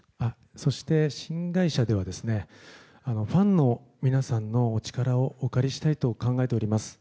そして新会社ではファンの皆さんのお力をお借りしたいと考えております。